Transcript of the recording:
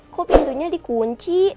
kok pintunya dikunci